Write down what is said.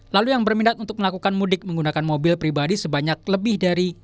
lalu yang berminat untuk melakukan mudik menggunakan mobil pribadi sebanyak lebih dari